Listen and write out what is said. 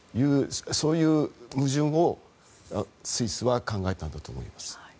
そういう矛盾をスイスは考えたんだと思います。